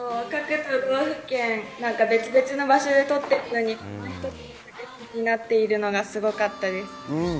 各都道府県、別々の場所で撮っているのに、一つになっているのがすごかったです。